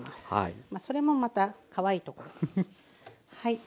まあそれもまたかわいいところはい。